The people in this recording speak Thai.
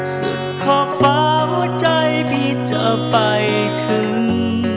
สุขฟ้าหัวใจพี่จะไปถึง